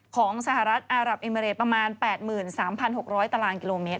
ของสหรัฐอารับเอเมริประมาณ๘๓๖๐๐ตารางกิโลเมตร